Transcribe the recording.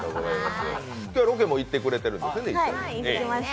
今日はロケも行ってくれたんですよね。